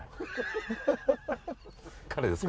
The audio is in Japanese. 彼ですか？